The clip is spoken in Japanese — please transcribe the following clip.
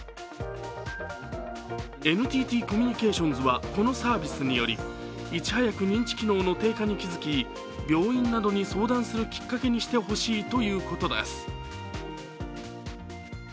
ＮＴＴコミュニケーションズは、このサービスによりいちはやく認知機能の低下に気付き病院などに相談するきっかけにしてほしいということです。